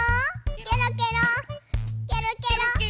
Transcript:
ケロケロケロケロ！